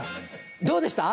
どうでした？